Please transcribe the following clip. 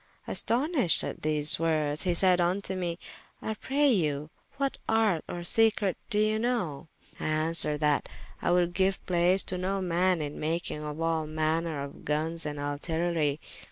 Astonyshed at these woordes, he sayde vnto mee, I pray you what arte or secrete doe you know? I answered, that I would giue place to no man in makyng of all manner of gunnes and artillerie.